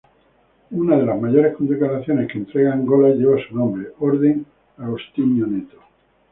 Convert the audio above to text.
Una de las mayores condecoraciones que entrega Angola lleva su nombre: Orden Agostinho Neto.